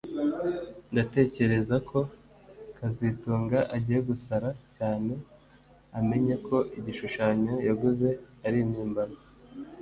Ndatekereza ko kazitunga agiye gusara cyane amenye ko igishushanyo yaguze ari impimbano